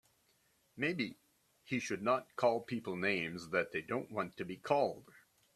Maybe he should not call people names that they don't want to be called.